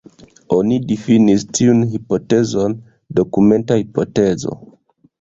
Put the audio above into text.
Oni difinis tiun hipotezon dokumenta hipotezo.